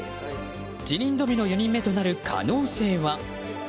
辞任ドミノ４人目となる可能性は。